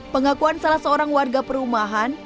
pengakuan salah seorang warga perumahan